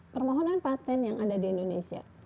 permohonan patent yang ada di indonesia